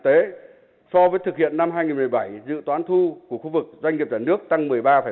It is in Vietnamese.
thực tế so với thực hiện năm hai nghìn một mươi bảy dự toán thu của khu vực doanh nghiệp nhà nước tăng một mươi ba một